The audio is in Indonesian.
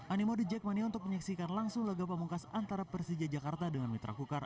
animode jackmania untuk menyaksikan langsung laga pemungkas antara persija jakarta dengan mitra kukar